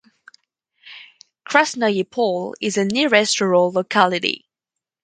Krasnoye Pole is the nearest rural locality.